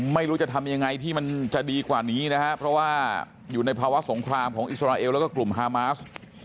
ไม่รู้จะทำยังไงที่มันจะดีกว่านี้นะฮะเพราะว่าอยู่ในภาวะสงครามของอิสราเอลแล้วก็กลุ่มฮามาส